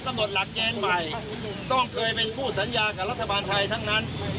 หลักเกณฑ์ใหม่ต้องเคยเป็นคู่สัญญากับรัฐบาลไทยทั้งนั้น